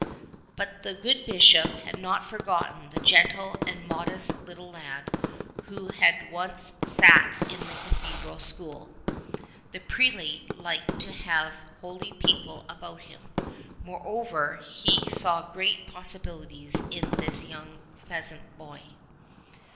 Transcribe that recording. But the good Bishop had not forgotten the gentle and modest little lad who had once sat in the Cathedral School. The prelate liked to have holy people about him ; moreover, he saw great possibilities in this young peasant boy.